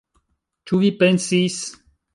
Ĉu vi pensis?